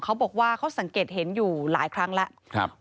เขาบอกว่าเขาสังเกตเห็นอยู่หลายครั้งแล้ว